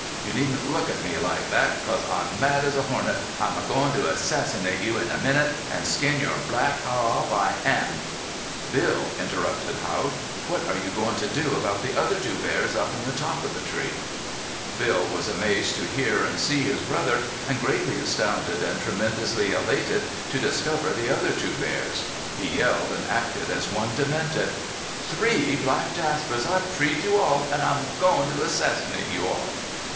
You needn't look at me like thet, 'cause I'm mad as a hornet. I'm agoin' to assassinate you in a minnit an' skin your black har off, I am " "Bill," interrupted Haught, "what are you goin' to do about the other two bears up in the top of the tree?" Bill was amazed to hear and see his brother, and greatly astounded and tremendously elated to discover the other two bears. He yelled and acted as one demented. "Three black Jaspers! I've treed you all. An' I'm agoin' to assassinate you all!"